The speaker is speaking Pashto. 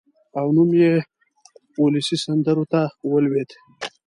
او نوم یې اولسي سندرو ته ولوېد.